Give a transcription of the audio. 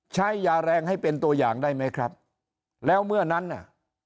ใช้ยาแรงให้เป็นตัวอย่างได้ไหมครับแล้วเมื่อนั้นน่ะ